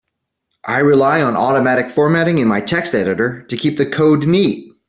I rely on automatic formatting in my text editor to keep the code neat.